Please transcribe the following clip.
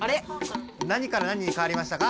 何から何にかわりましたか？